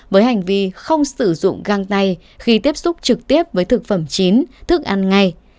với hành vi không sử dụng găng tay khi tiếp xúc trực tiếp với thực phẩm chín thức ăn ngay